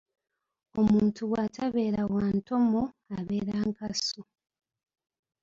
Omuntu bw’atabeera wa ntomo abeera nkasu.